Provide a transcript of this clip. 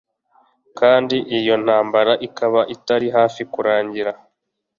kandi iyo ntambara ikaba itari hafi kurangira